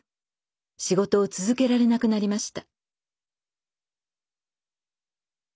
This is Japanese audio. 仕事を続けられなくなりました。